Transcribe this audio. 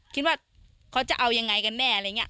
ถ้าเขาจอดจะเอายังไงกันแน่